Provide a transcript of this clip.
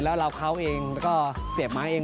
แล้วเรากับเขาเอง